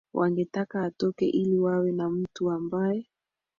wangetaka atoke ili wawe na mtu ambae